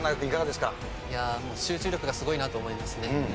いやあもう集中力がすごいなと思いますね。